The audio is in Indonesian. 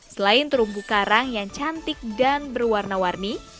selain terumbu karang yang cantik dan berwarna warni